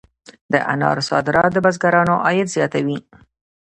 د انارو صادرات د بزګرانو عاید زیاتوي.